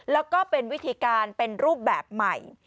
แล้วก็เป็นวิธีการเป็นรูปแบบใหม่